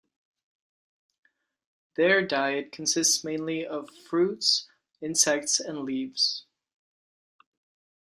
Their diet consists mainly of fruits, insects and leaves.